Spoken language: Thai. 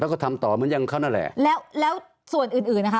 แล้วก็ทำต่อเหมือนอย่างเขานั่นแหละแล้วแล้วส่วนอื่นอื่นนะคะ